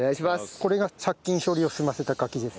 これが殺菌処理を済ませたカキです。